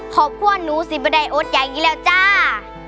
กล้วนนุศีประดายโอศอย่างงี้แล้วจ้า